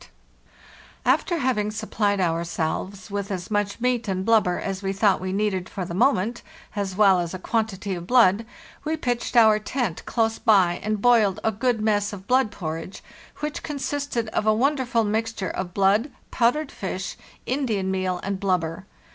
THE JOURNEY SOUTHWARD 503 After having supplied ourselves with as much meat and blubber as we thought we needed for the moment, as well as a quantity of blood, we pitched our tent close by and boiled a good mess of blood porridge, which consisted of a wonderful mixture of blood, powdered fish, Indian meal, and blubber.